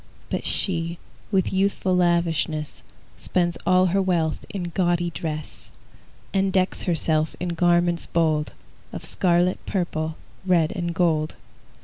But she, with youthful lavishness, Spends all her wealth in gaudy dress, And decks herself in garments bold Of scarlet, purple, red, and gold.